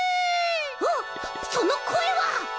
あっそのこえは！？